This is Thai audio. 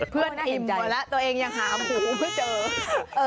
เพื่อนอิ่มหมดแล้วตัวเองยังหาหมูเพื่อเจอ